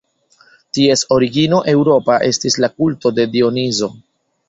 Ties origino eŭropa estis la kulto de Dionizo.